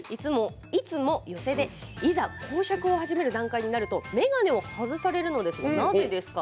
いつも寄席でいざ講釈を始める段階になると眼鏡を外されるのですがなぜですか？